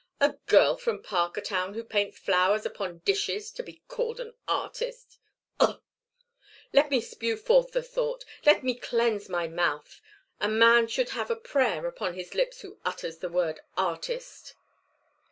A girl from Parkertown who paints flowers upon dishes to be called an artist ugh! Let me spew forth the thought! Let me cleanse my mouth! A man should have a prayer upon his lips who utters the word artist!"